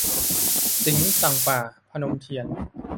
สิงห์สั่งป่า - พนมเทียน